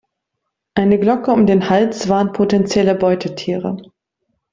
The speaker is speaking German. Eine Glocke um den Hals warnt potenzielle Beutetiere.